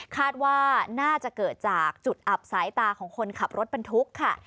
คาดว่าน่าจะเกิดจากจุดอับสายตาของคนขับรถบรรทุกค่ะ